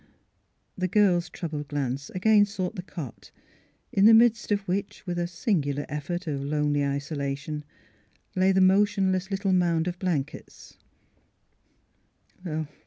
The girl's troubled glance again sought the cot, in the midst of which, with a singular effect of lonely isolation, lay the motionless little mound of blankets.